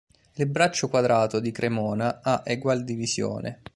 Il braccio quadrato di Cremona ha egual divisione.